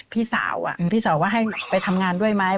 พี่สาวพี่สาวว่าให้ไปทำงานด้วยไหม